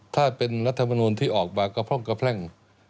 ถ้าเป็นรัฐมนูลที่ออกมากระพร่องกระแพร่ง